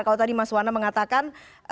kalau tadi mas wana mengatakan